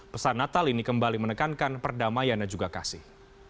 pesan natal ini kembali menekankan perdamaian dan juga kasih